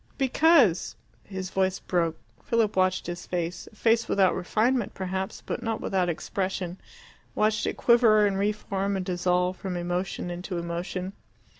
"Because " His voice broke. Philip watched his face, a face without refinement perhaps, but not without expression, watched it quiver and re form and dissolve from emotion into emotion.